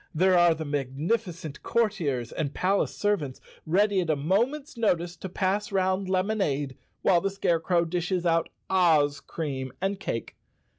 There are the magnificent courtiers and palace servants, ready at a moment's notice to pass round lemonade, while the Scarecrow dishes out Oz cream and cake.